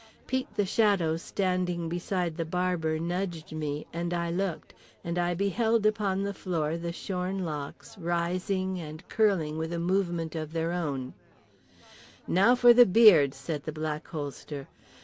Pete the Shadow, standing beside the barber, nudged me; and I looked; and I beheld upon the floor the shorn locks rising and curling with a movement of their own…. "Now for the beard," said the Black Holster.